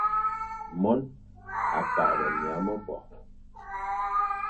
Mone a faghbe nya mebo,